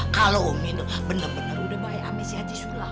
kalau umi tuh bener bener udah bayar ambil si haji sulam